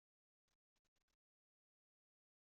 Ayen i teǧǧu wiji d ammen gaɛ.